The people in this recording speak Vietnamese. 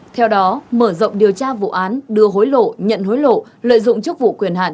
theo đó mở rộng điều tra vụ án đưa hối lộ nhận hối lộ lợi dụng chức vụ quyền hạn